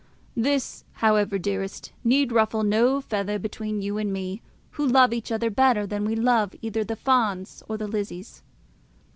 This, however, dearest, need ruffle no feather between you and me, who love each other better than we love either the Fawns or the Lizzies.